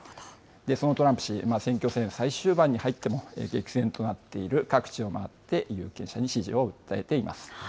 そのトランプ氏、選挙戦最終盤に入っても、激戦となっている各地を回って、有権者に支持を訴えています。